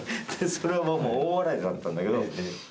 それはもう大笑いだったんだけど。